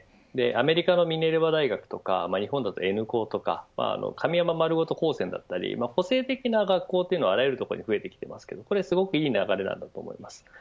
アメリカのミネルバ大学とか日本だとＮ高とか神山まるごと高専だったり個性的な学校というのがあらゆるところに増えていますからすごくいい流れだと思います。